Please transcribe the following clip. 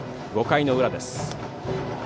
５回裏です。